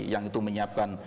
yang itu menyiapkan